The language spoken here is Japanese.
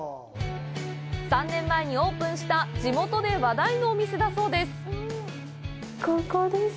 ３年前にオープンした地元で話題のお店だそうです。